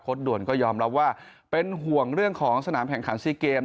ด่วนก็ยอมรับว่าเป็นห่วงเรื่องของสนามแข่งขันซีเกม